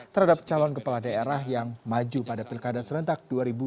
terhadap calon kepala daerah yang maju pada pilkada serentak dua ribu dua puluh